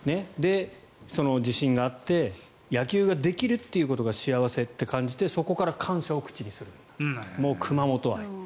その地震があって野球ができるということが幸せって感じて、そこから感謝を口にするようになった。